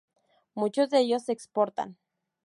Muchos de ellos se exportan.